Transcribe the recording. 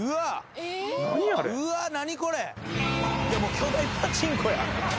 「もう巨大パチンコや！」